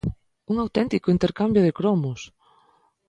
¡Un auténtico intercambio de cromos!